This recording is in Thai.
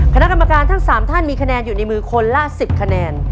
คณะกรรมการทั้ง๓ท่านมีคะแนนอยู่ในมือคนละ๑๐คะแนน